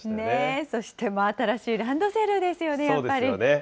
そして、真新しいランドセルですよね、そうですよね。